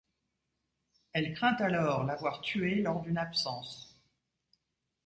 Elle craint alors l'avoir tuée lors d'une absence.